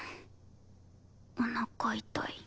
おなか痛い。